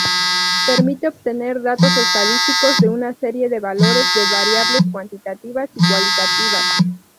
Permite obtener datos estadísticos de una serie de valores de variables cuantitativas y cualitativas.